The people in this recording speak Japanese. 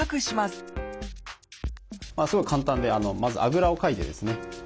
すごい簡単でまずあぐらをかいてですね